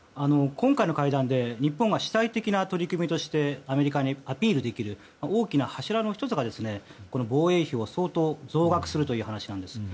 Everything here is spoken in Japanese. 今回の会談で日本が主体的な取り組みとしてアメリカにアピールできる大きな柱の１つがこの防衛費を相当増額するという話なんです。